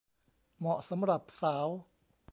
เหมาะสำหรับสาว